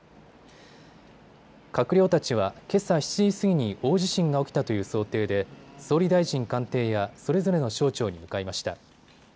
閣僚たちはけさ７時過ぎに大地震が起きたという想定で総理大臣官邸やそれぞれの省庁に向かいました。